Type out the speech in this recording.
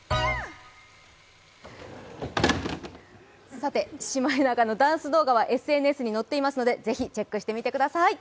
さて、シマエナガのダンス動画はＳＮＳに載っていますのでぜひチェックしてみてください。